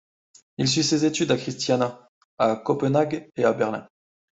Il suit ses études à Christiania, à Copenhague et à Berlin.